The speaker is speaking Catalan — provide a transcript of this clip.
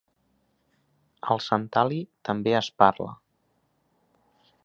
El santali també es parla.